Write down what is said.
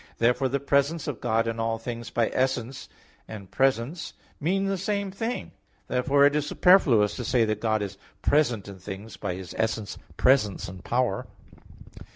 Therefore the presence of God in all things by essence and presence means the same thing. Therefore it is superfluous to say that God is present in things by His essence, presence and power.